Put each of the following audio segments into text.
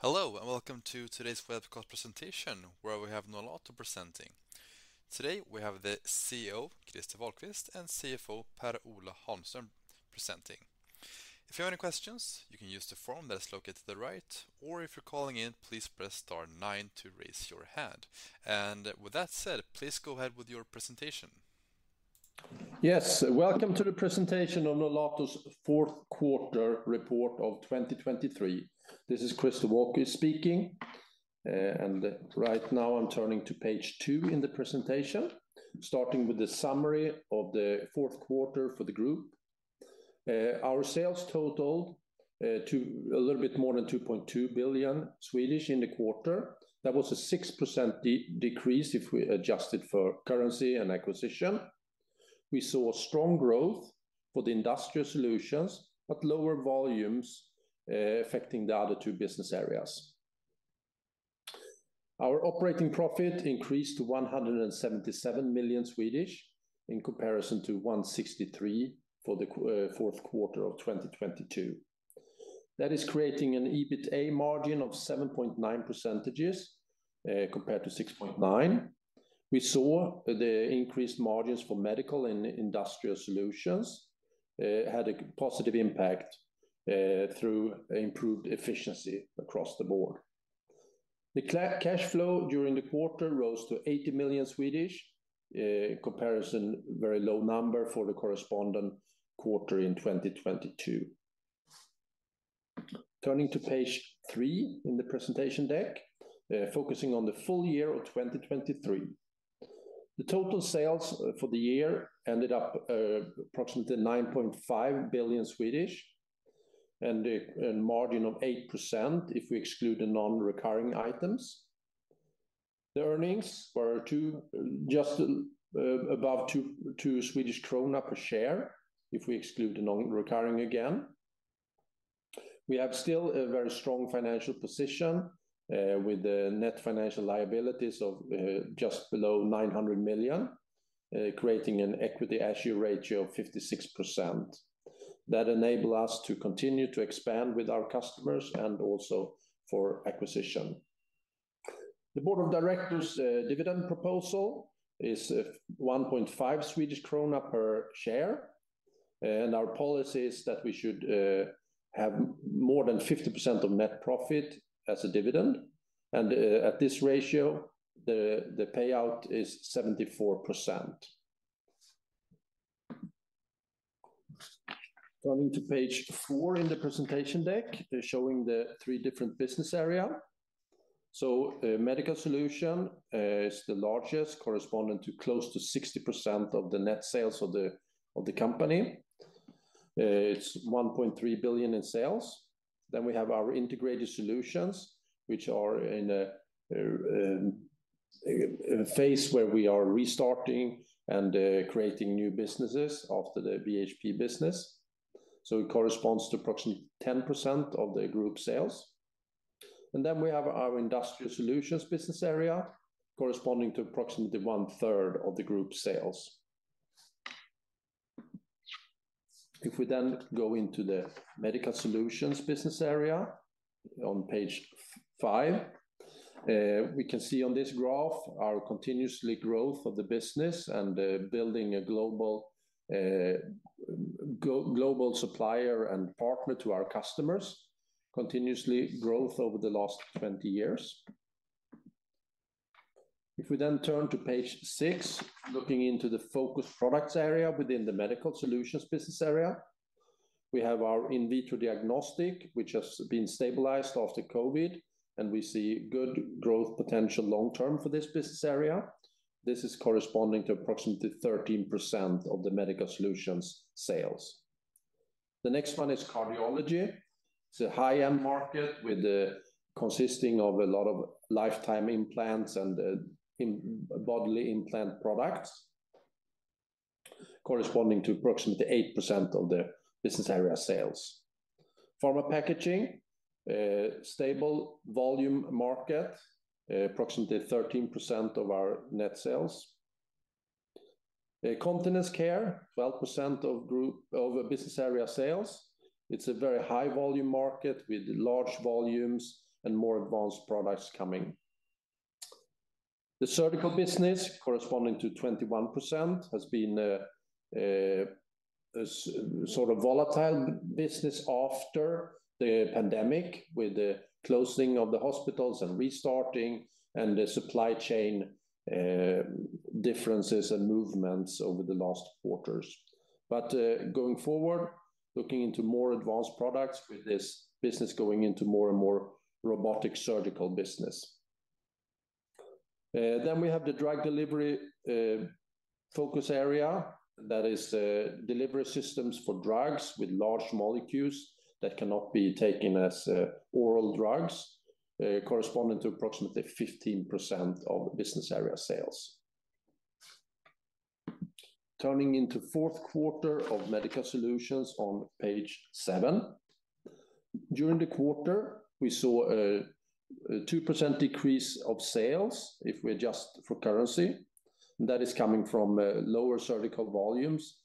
Hello, and welcome to today's webcast presentation, where we have Nolato presenting. Today, we have the CEO, Christer Wahlquist, and CFO, Per-Ola Holmström, presenting. If you have any questions, you can use the form that is located to the right, or if you're calling in, please press star nine to raise your hand. With that said, please go ahead with your presentation. Yes. Welcome to the presentation on Nolato's fourth quarter report of 2023. This is Christer Wahlquist speaking, and right now I'm turning to page two in the presentation, starting with the summary of the fourth quarter for the group. Our sales totaled to a little bit more than 2.2 billion in the quarter. That was a 6% decrease if we adjusted for currency and acquisition. We saw strong growth for the Industrial Solutions, but lower volumes affecting the other two business areas. Our operating profit increased to 177 million, in comparison to 163 for the fourth quarter of 2022. That is creating an EBITA margin of 7.9%, compared to 6.9%. We saw the increased margins for medical and Industrial Solutions had a positive impact through improved efficiency across the board. The cash flow during the quarter rose to 80 million in comparison, very low number for the corresponding quarter in 2022. Turning to page three in the presentation deck, focusing on the full year of 2023. The total sales for the year ended up approximately 9.5 billion and a margin of 8% if we exclude the non-recurring items. The earnings were just above 2 per share, if we exclude the non-recurring again. We have still a very strong financial position with the net financial liabilities of just below 900 million, creating an equity ratio of 56%. That enable us to continue to expand with our customers and also for acquisition. The Board of directors dividend proposal is 1.5 Swedish krona per share, and our policy is that we should have more than 50% of net profit as a dividend, and at this ratio, the payout is 74%. Turning to page 4 in the presentation deck, showing the three different business area. So Medical Solutions is the largest, corresponding to close to 60% of the net sales of the company. It's 1.3 billion in sales. Then we have our Integrated Solutions, which are in a phase where we are restarting and creating new businesses after the VHP business. So it corresponds to approximately 10% of the group sales. Then we have our Industrial Solutions business area, corresponding to approximately one third of the group sales. If we then go into the Medical Solutions business area on page 5, we can see on this graph our continuous growth of the business and building a global supplier and partner to our customers, continuous growth over the last 20 years. If we then turn to page 6, looking into the Focused Products area within the Medical Solutions business area, we have our In Vitro Diagnostic, which has been stabilized after COVID, and we see good growth potential long term for this business area. This is corresponding to approximately 13% of the Medical Solutions sales. The next one is Cardiology. It's a high-end market with the consisting of a lot of lifetime implants and bodily implant products, corresponding to approximately 8% of the business area sales. Pharma Packaging, stable volume market, approximately 13% of our net sales. Continence Care, 12% of group, of business area sales. It's a very high volume market with large volumes and more advanced products coming. The Surgical business, corresponding to 21%, has been a sort of volatile business after the pandemic, with the closing of the hospitals and restarting and the supply chain differences and movements over the last quarters. But going forward, looking into more advanced products with this business going into more and more robotic surgical business. Then we have the Drug Delivery focus area. That is, delivery systems for drugs with large molecules that cannot be taken as oral drugs, corresponding to approximately 15% of the business area sales. Turning to fourth quarter of Medical Solutions on page seven. During the quarter, we saw a 2% decrease of sales if we adjust for currency. That is coming from lower Surgical volumes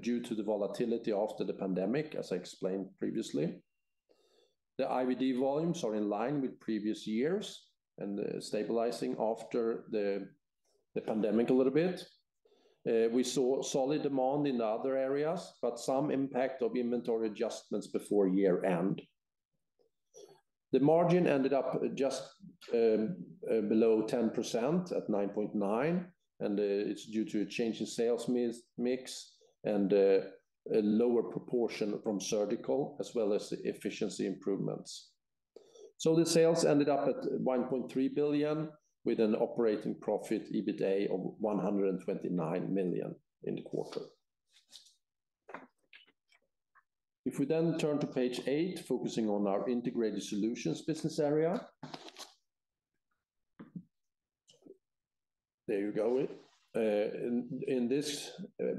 due to the volatility after the pandemic, as I explained previously. The IVD volumes are in line with previous years and stabilizing after the pandemic a little bit. We saw solid demand in other areas, but some impact of inventory adjustments before year-end. The margin ended up just below 10% at 9.9%, and it's due to a change in sales mix and a lower proportion from Surgical, as well as the efficiency improvements. So the sales ended up at 1.3 billion, with an operating profit, EBITA, of 129 million in the quarter. If we then turn to page 8, focusing on our Integrated Solutions business area. There you go. In this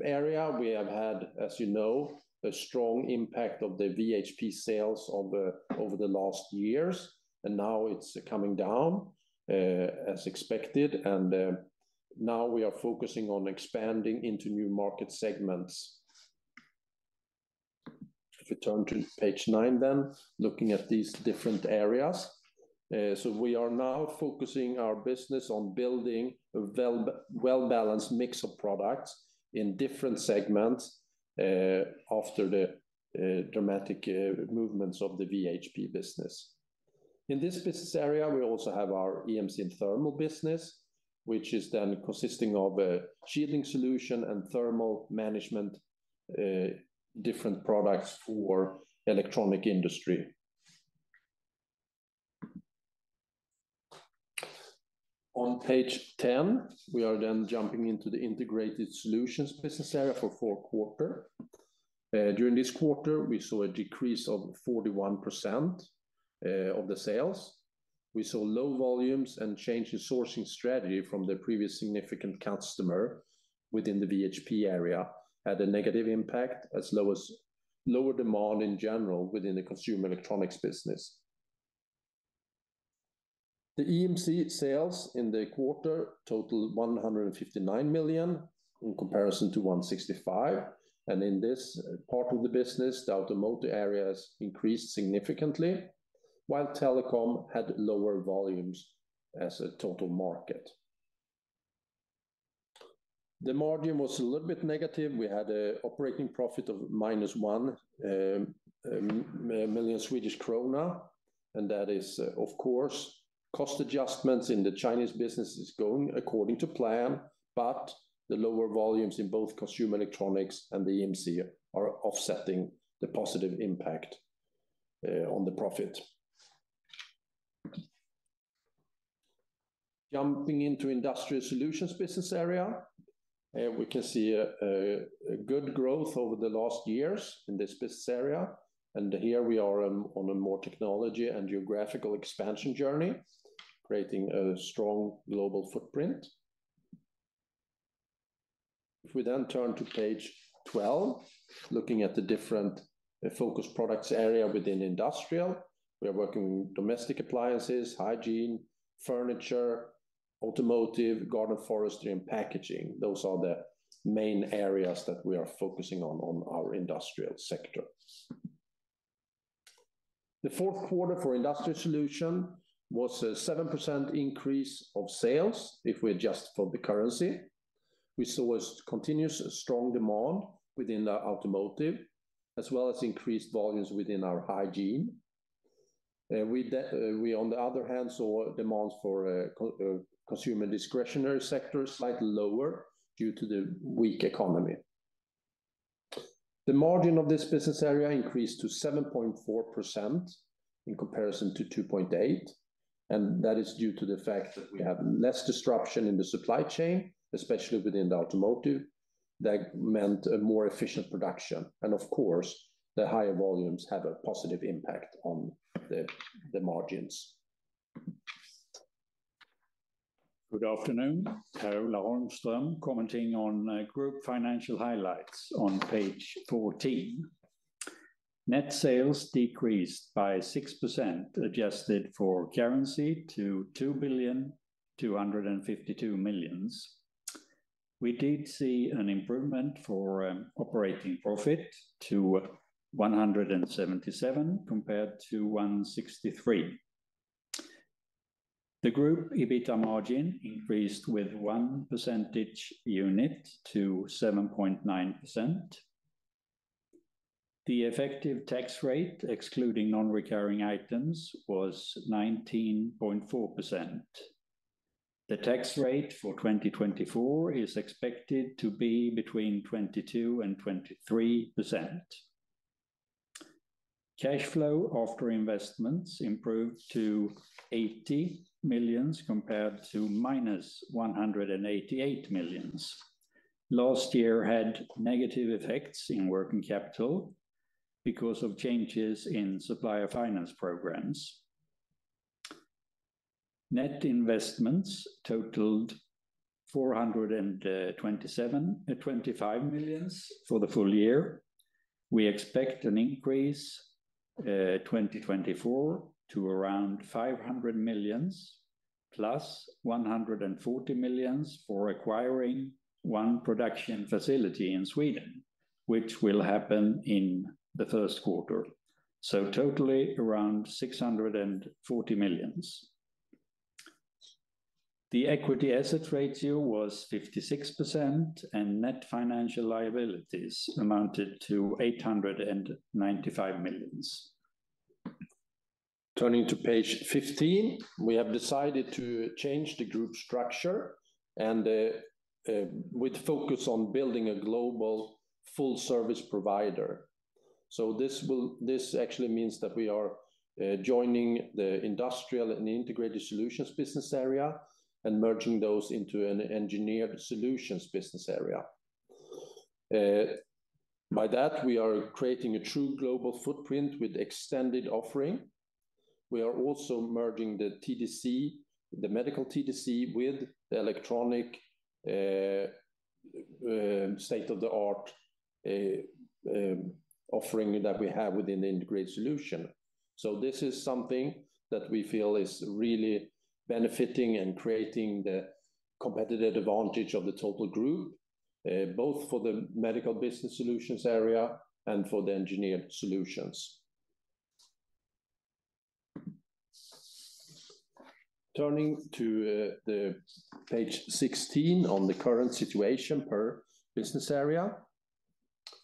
area, we have had, as you know, a strong impact of the VHP sales over the last years, and now it's coming down, as expected, and now we are focusing on expanding into new market segments. If we turn to page 9, then, looking at these different areas. So we are now focusing our business on building a well-balanced mix of products in different segments, after the dramatic movements of the VHP business. In this business area, we also have our EMC and thermal business, which is then consisting of a shielding solution and thermal management, different products for electronics industry. On page 10, we are then jumping into the Integrated Solutions business area for fourth quarter. During this quarter, we saw a decrease of 41% of the sales. We saw low volumes and change in sourcing strategy from the previous significant customer within the VHP area, had a negative impact as well as lower demand in general within the consumer electronics business. The EMC sales in the quarter totaled 159 million, in comparison to 165 million, and in this part of the business, the automotive areas increased significantly, while telecom had lower volumes in the total market. The margin was a little bit negative. We had a operating profit of -1 million Swedish krona, and that is, of course, cost adjustments in the Chinese business is going according to plan, but the lower volumes in both consumer electronics and the EMC are offsetting the positive impact on the profit. Jumping into Industrial Solutions business area, we can see a good growth over the last years in this business area, and here we are on a more technology and geographical expansion journey, creating a strong global footprint. If we then turn to page 12, looking at the different focus products area within Industrial, we are working with domestic appliances, hygiene, furniture, automotive, garden forestry, and packaging. Those are the main areas that we are focusing on our Industrial sector. The fourth quarter for Industrial Solutions was a 7% increase of sales if we adjust for the currency. We saw a continuous strong demand within the automotive, as well as increased volumes within our hygiene. We, on the other hand, saw demands for Consumer Discretionary sector slightly lower due to the weak economy. The margin of this business area increased to 7.4% in comparison to 2.8%, and that is due to the fact that we have less disruption in the supply chain, especially within the automotive. That meant a more efficient production, and of course, the higher volumes have a positive impact on the margins. Good afternoon. Per-Ola Holmström, commenting on group financial highlights on page 14. Net sales decreased by 6%, adjusted for currency to 2,252 million. We did see an improvement for operating profit to 177 compared to 163. The group EBITA margin increased with one percentage unit to 7.9%. The effective tax rate, excluding non-recurring items, was 19.4%. The tax rate for 2024 is expected to be between 22% and 23%. Cash flow after investments improved to 80 million compared to -188 million. Last year had negative effects in working capital because of changes in supplier finance programs. Net investments totaled 425 million for the full year. We expect an increase, 2024 to around 500 million, plus 140 million for acquiring one production facility in Sweden, which will happen in the first quarter. So totally around 640 million. The equity asset ratio was 56%, and net financial liabilities amounted to 895 million. Turning to page 15, we have decided to change the group structure and with focus on building a global full service provider. So this will - this actually means that we are joining the Industrial and Integrated Solutions business area and merging those into an Engineered Solutions business area. By that, we are creating a true global footprint with extended offering. We are also merging the TDC, the medical TDC, with the electronic state-of-the-art offering that we have within the Integrated Solutions. So this is something that we feel is really benefiting and creating the competitive advantage of the total group, both for the Medical Solutions area and for the Engineered Solutions. Turning to the page 16 on the current situation per business area.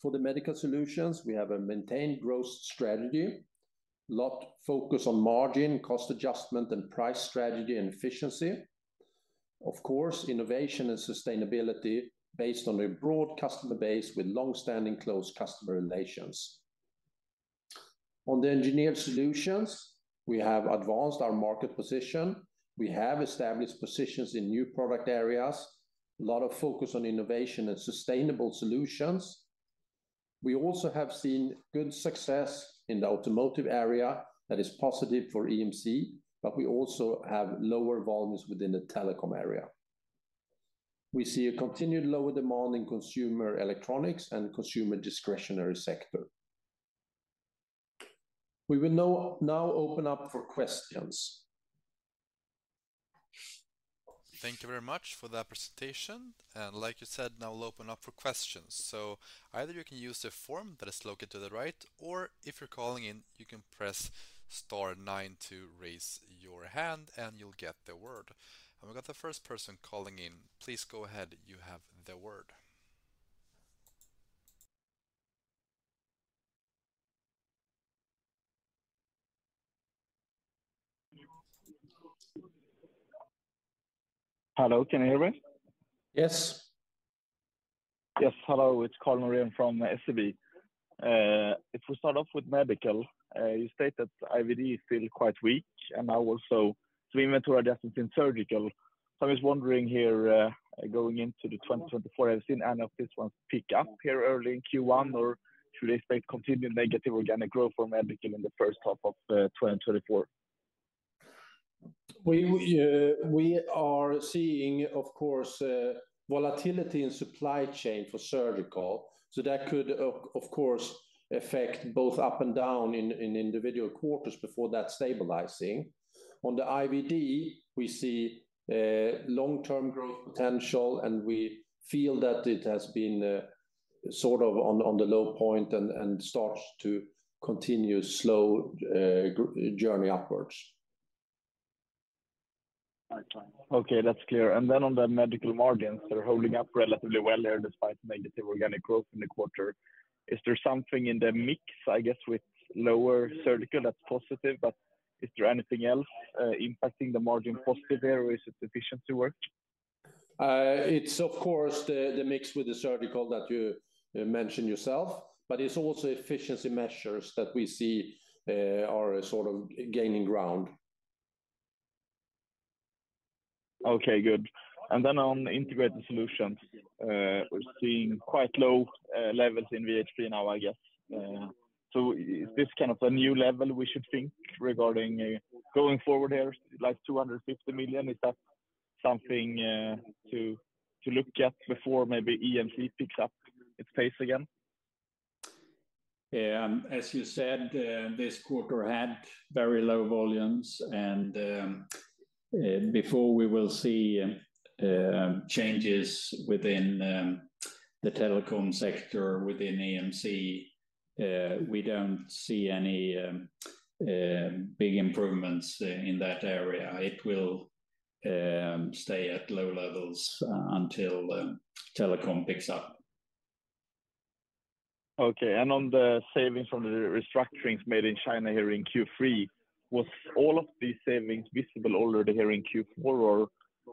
For Medical Solutions, we have a maintained growth strategy, a lot of focus on margin, cost adjustment, and price strategy, and efficiency. Of course, innovation and sustainability based on a broad customer base with long-standing close customer relations. On Engineered Solutions, we have advanced our market position. We have established positions in new product areas, a lot of focus on innovation and sustainable solutions. We also have seen good success in the automotive area that is positive for EMC, but we also have lower volumes within the telecom area. We see a continued lower demand in consumer electronics and Consumer Discretionary sector. We will now open up for questions. Thank you very much for that presentation, and like you said, now we'll open up for questions. So either you can use the form that is located to the right, or if you're calling in, you can press star nine to raise your hand, and you'll get the word. We got the first person calling in. Please go ahead. You have the word. Hello, can you hear me? Yes. Yes. Hello, it's Karri Rinta from SHB. If we start off with medical, you state that IVD is still quite weak, and now also we inventory adjustment in surgical. So I was wondering here, going into 2024, I've seen any of these ones pick up here early in Q1, or should they stay continued negative organic growth for medical in the first half of 2024? We are seeing, of course, volatility in supply chain for surgical, so that could, of course, affect both up and down in individual quarters before that stabilizing. On the IVD, we see long-term growth potential, and we feel that it has been sort of on the low point and starts to continue slow journey upwards. Okay, that's clear. And then on the medical margins, they're holding up relatively well there, despite negative organic growth in the quarter. Is there something in the mix, I guess, with lower surgical that's positive, but is there anything else, impacting the margin positive there, or is it efficiency work? It's of course, the mix with the Surgical that you mentioned yourself, but it's also efficiency measures that we see, are sort of gaining ground. Okay, good. And then on Integrated Solutions, we're seeing quite low levels in VHP now, I guess. So is this kind of a new level we should think regarding going forward here, like 250 million? Is that something to look at before maybe EMC picks up its pace again? As you said, this quarter had very low volumes, and before we will see changes within the telecom sector, within EMC, we don't see any big improvements in that area. It will stay at low levels until telecom picks up. Okay. On the savings from the restructurings made in China here in Q3, was all of these savings visible already here in Q4, or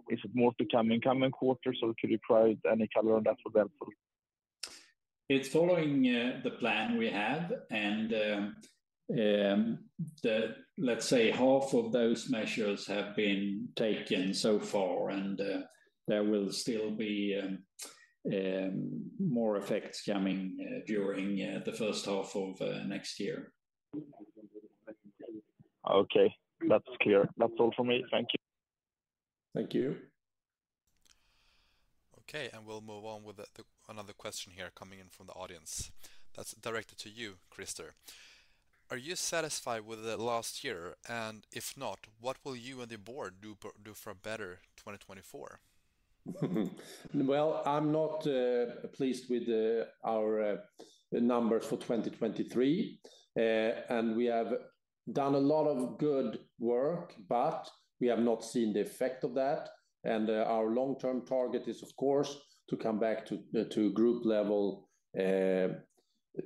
is it more to come in coming quarters, or could you provide any color on that? That'd be helpful? It's following the plan we had, and, let's say, half of those measures have been taken so far, and there will still be more effects coming during the first half of next year. Okay, that's clear. That's all for me. Thank you. Thank you. Okay, and we'll move on with another question here coming in from the audience that's directed to you, Christer. Are you satisfied with the last year? And if not, what will you and the board do for a better 2024? Well, I'm not pleased with our numbers for 2023. And we have done a lot of good work, but we have not seen the effect of that. And our long-term target is, of course, to come back to group level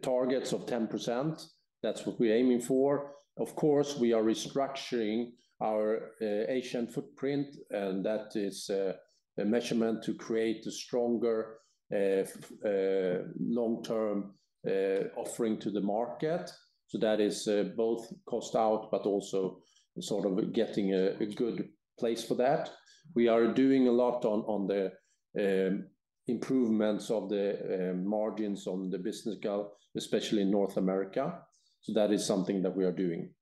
targets of 10%. That's what we're aiming for. Of course, we are restructuring our Asian footprint, and that is a measurement to create a stronger long-term offering to the market. So that is both cost out, but also sort of getting a good place for that. We are doing a lot on the improvements of the margins on the business go, especially in North America. So that is something that we are doing.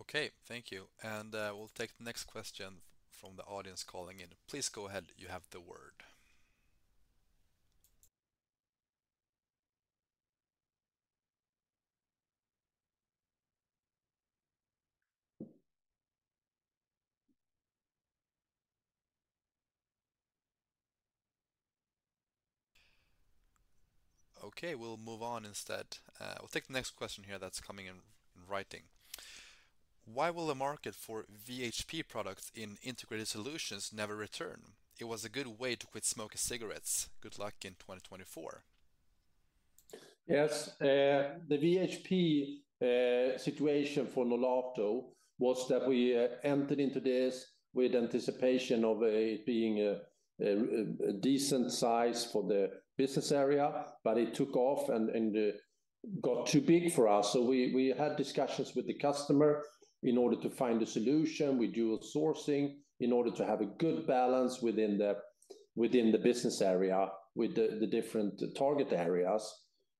Okay. Thank you, and we'll take the next question from the audience calling in. Please go ahead. You have the word. Okay, we'll move on instead. We'll take the next question here that's coming in in writing. Why will the market for VHP products in Integrated Solutions never return? It was a good way to quit smoking cigarettes. Good luck in 2024. Yes, the VHP situation for Nolato was that we entered into this with anticipation of it being a decent size for the business area, but it took off and got too big for us. So we had discussions with the customer in order to find a solution. We do sourcing in order to have a good balance within the business area with the different target areas,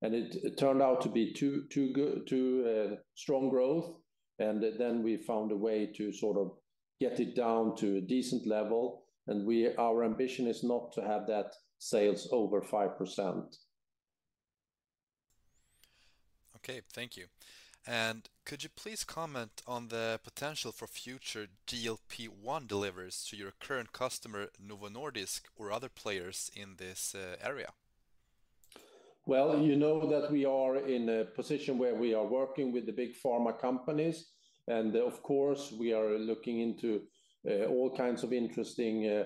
and it turned out to be too good, too strong growth. And then we found a way to sort of get it down to a decent level, and we, our ambition is not to have that sales over 5%. Okay, thank you. And could you please comment on the potential for future GLP-1 deliveries to your current customer, Novo Nordisk, or other players in this area? Well, you know that we are in a position where we are working with the big pharma companies, and of course, we are looking into all kinds of interesting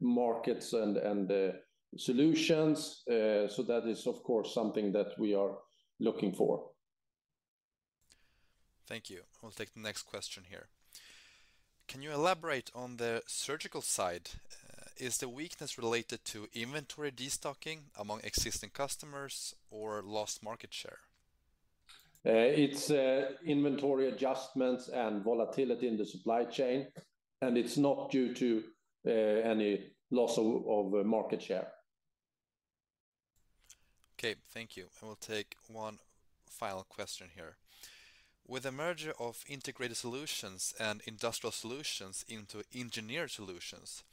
markets and solutions. So that is, of course, something that we are looking for. Thank you. We'll take the next question here. Can you elaborate on the surgical side? Is the weakness related to inventory destocking among existing customers or lost market share? It's inventory adjustments and volatility in the supply chain, and it's not due to any loss of market share. Okay, thank you. And we'll take one final question here. With the merger of Integrated Solutions and Industrial Solutions into Engineered Solutions,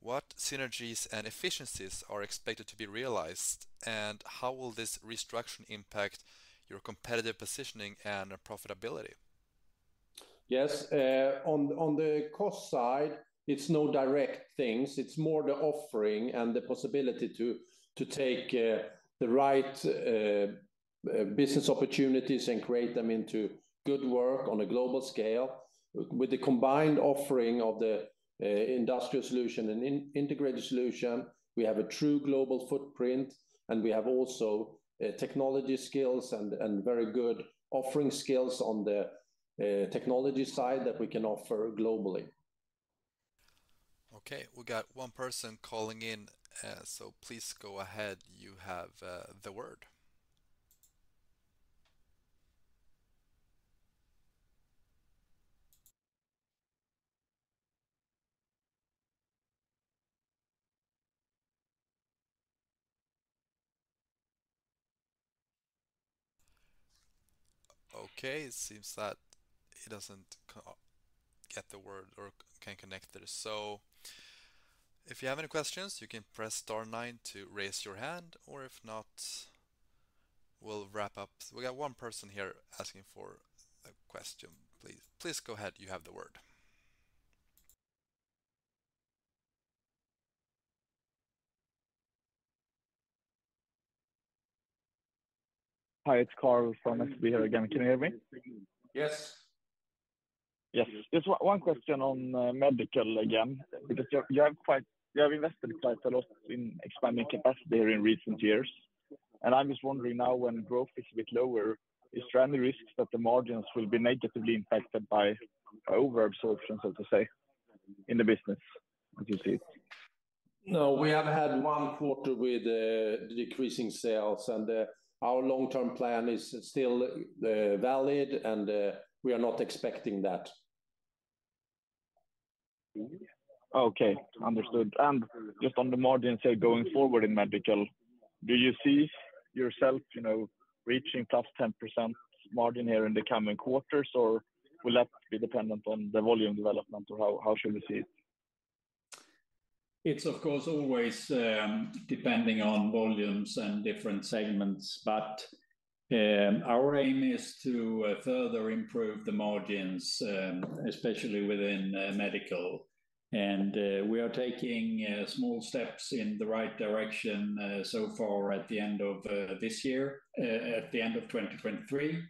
what synergies and efficiencies are expected to be realized, and how will this restructure impact your competitive positioning and profitability? Yes, on the cost side, it's no direct things. It's more the offering and the possibility to take the right business opportunities and create them into good work on a global scale. With the combined offering of the Industrial Solutions and Integrated Solutions, we have a true global footprint, and we have also technology skills and very good offering skills on the technology side that we can offer globally. Okay, we got one person calling in, so please go ahead. You have the word. Okay, it seems that he doesn't get the word or can connect it. So if you have any questions, you can press star nine to raise your hand, or if not, we'll wrap up. We got one person here asking for a question. Please, please go ahead. You have the word. Hi, it's Karri Rinta from SHB here again. Can you hear me? Yes. Yes. Just one question on medical again, because you have invested quite a lot in expanding capacity here in recent years, and I'm just wondering now, when growth is a bit lower, is there any risks that the margins will be negatively impacted by overabsorption, so to say, in the business, as you see it? No. We have had one quarter with decreasing sales, and our long-term plan is still valid, and we are not expecting that. Okay, understood. Just on the margin side, going forward in medical, do you see yourself, you know, reaching +10% margin here in the coming quarters, or will that be dependent on the volume development, or how, how should we see it? It's, of course, always, depending on volumes and different segments. But, our aim is to, further improve the margins, especially within, medical. And, we are taking, small steps in the right direction, so far at the end of, this year, at the end of 2023.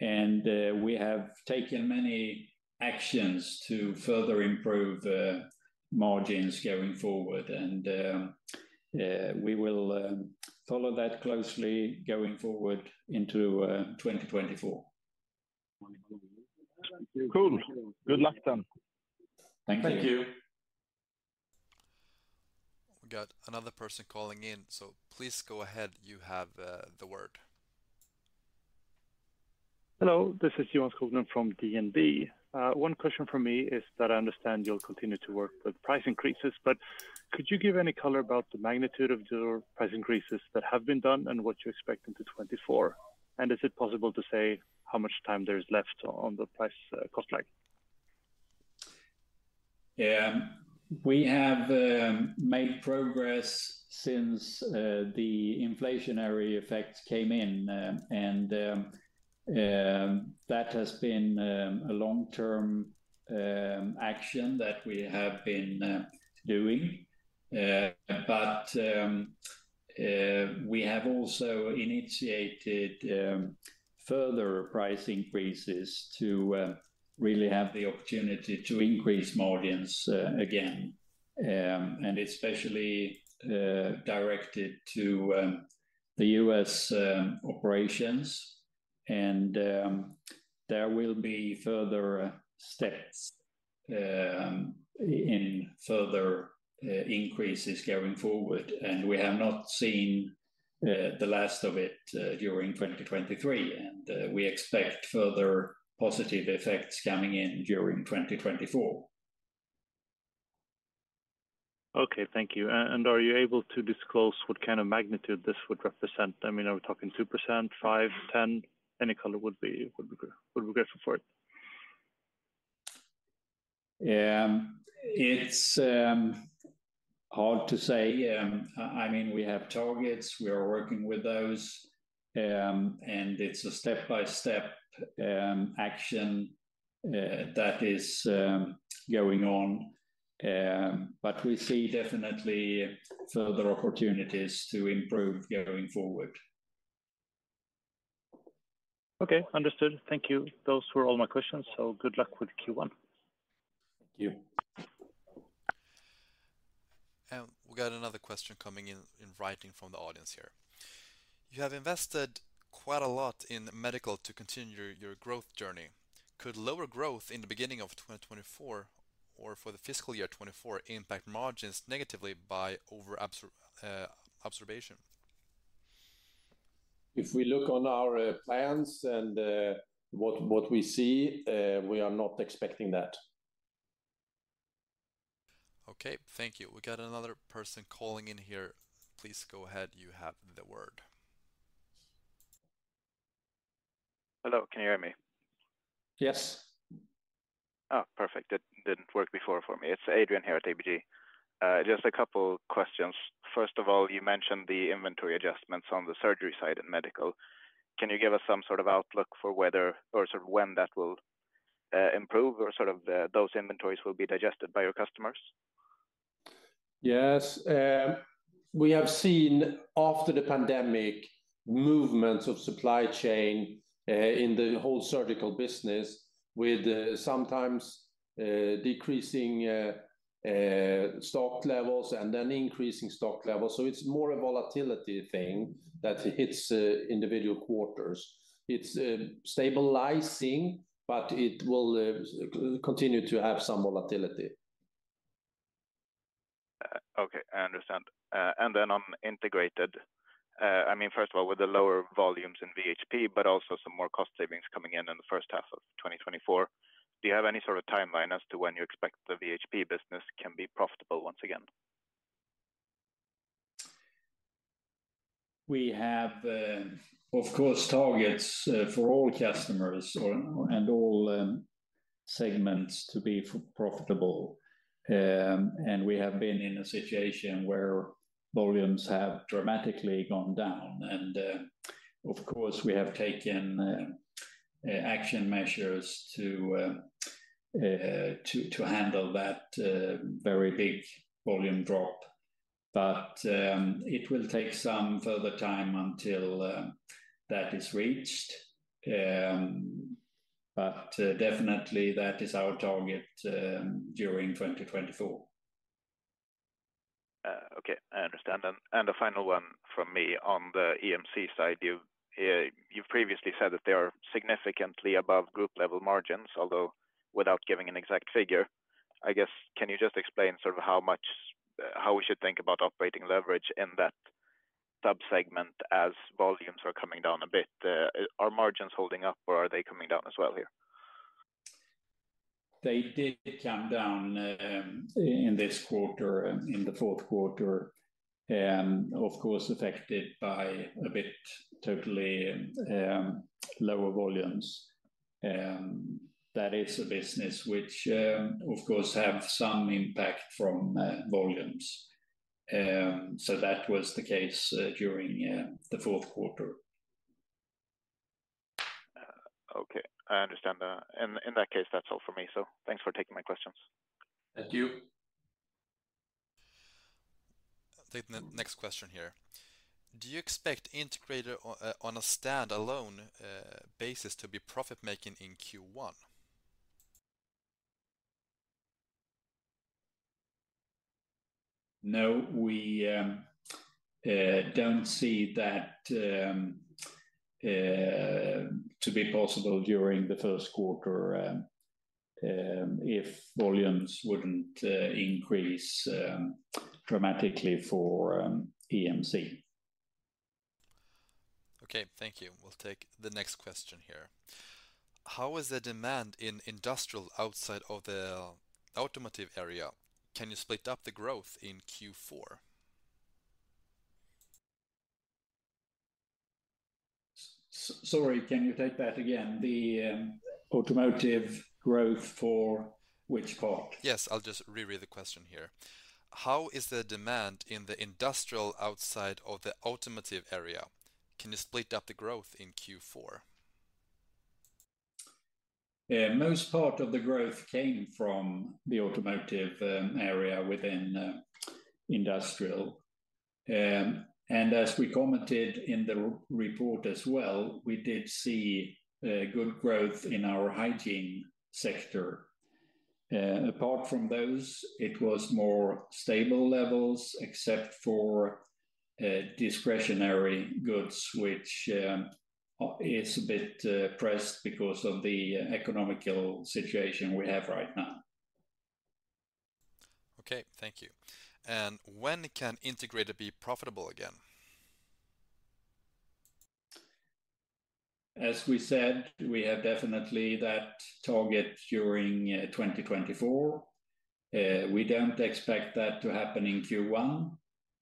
And, we have taken many actions to further improve the margins going forward. And, we will, follow that closely going forward into, 2024. Cool. Good luck, then. Thank you. We got another person calling in, so please go ahead. You have the word. Hello, this is Joachim Gunell from DNB. One question from me is that I understand you'll continue to work with price increases, but could you give any color about the magnitude of your price increases that have been done and what you expect into 2024? And is it possible to say how much time there is left on the price, cost line? We have made progress since the inflationary effects came in. And that has been a long-term action that we have been doing. But we have also initiated further price increases to really have the opportunity to increase margins again, and especially directed to the US operations. And there will be further steps in further increases going forward, and we have not seen the last of it during 2023. And we expect further positive effects coming in during 2024. Okay, thank you. And, are you able to disclose what kind of magnitude this would represent? I mean, are we talking 2%, 5, 10? Any color would be great. Would be grateful for it. It's hard to say. I mean, we have targets. We are working with those, and it's a step-by-step action that is going on. But we see definitely further opportunities to improve going forward. Okay, understood. Thank you. Those were all my questions, so good luck with Q1. Thank you. We got another question coming in, in writing from the audience here. You have invested quite a lot in medical to continue your, your growth journey. Could lower growth in the beginning of 2024, or for the fiscal year 2024, impact margins negatively by overabsorption? If we look on our plans and what we see, we are not expecting that. Okay, thank you. We got another person calling in here. Please go ahead. You have the word. Hello, can you hear me? Yes. Oh, perfect. It didn't work before for me. It's Adrian here at ABG. Just a couple questions. First of all, you mentioned the inventory adjustments on the surgery side in medical. Can you give us some sort of outlook for whether or sort of when that will improve or sort of those inventories will be digested by your customers? Yes. We have seen, after the pandemic, movements of supply chain in the whole surgical business with sometimes decreasing stock levels and then increasing stock levels. So it's more a volatility thing that hits individual quarters. It's stabilizing, but it will continue to have some volatility. Okay, I understand. And then on integrated, I mean, first of all, with the lower volumes in VHP, but also some more cost savings coming in in the first half of 2024, do you have any sort of timeline as to when you expect the VHP business can be profitable once again? We have, of course, targets for all customers or and all segments to be profitable. And we have been in a situation where volumes have dramatically gone down. And, of course, we have taken action measures to handle that very big volume drop. But it will take some further time until that is reached. But definitely that is our target during 2024. Okay, I understand. And a final one from me on the EMC side. You've previously said that they are significantly above group-level margins, although without giving an exact figure. I guess, can you just explain sort of how much, how we should think about operating leverage in that subsegment as volumes are coming down a bit? Are margins holding up, or are they coming down as well here? They did come down in this quarter, in the fourth quarter, of course, affected by a bit totally lower volumes. That is a business which, of course, have some impact from volumes. So that was the case during the fourth quarter. Okay, I understand that. In that case, that's all for me. Thanks for taking my questions. Thank you. Take the next question here: Do you expect Integrated Solutions on a standalone basis to be profit-making in Q1? No, we don't see that to be possible during the first quarter, if volumes wouldn't increase dramatically for EMC. Okay, thank you. We'll take the next question here. How is the demand in Industrial outside of the automotive area? Can you split up the growth in Q4? Sorry, can you take that again? The automotive growth for which part? Yes, I'll just reread the question here. How is the demand in the Industrial outside of the automotive area? Can you split up the growth in Q4? Most part of the growth came from the automotive area within Industrial. As we commented in the report as well, we did see good growth in our hygiene sector. Apart from those, it was more stable levels, except for discretionary goods, which is a bit pressed because of the economical situation we have right now. Okay, thank you. When can Integrated be profitable again? As we said, we have definitely that target during 2024. We don't expect that to happen in Q1,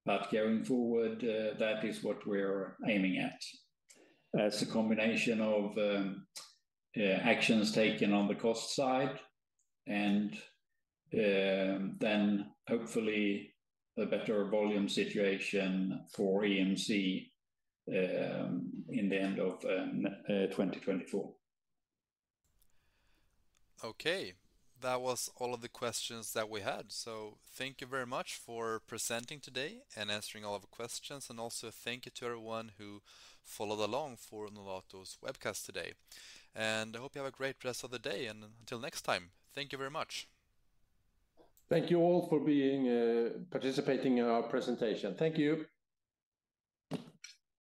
but going forward, that is what we're aiming at. That's a combination of actions taken on the cost side and then hopefully, a better volume situation for EMC in the end of 2024. Okay, that was all of the questions that we had. So thank you very much for presenting today and answering all of the questions. And also thank you to everyone who followed along for Nolato's webcast today. And I hope you have a great rest of the day, and until next time. Thank you very much. Thank you all for being participating in our presentation. Thank you!